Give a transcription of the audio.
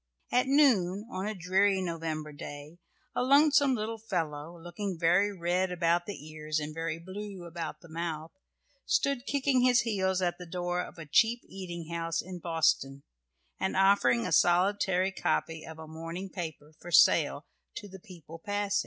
At noon, on a dreary November day, a lonesome little fellow, looking very red about the ears and very blue about the mouth, stood kicking his heels at the door of a cheap eating house in Boston, and offering a solitary copy of a morning paper for sale to the people passing.